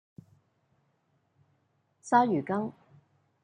鯊魚粳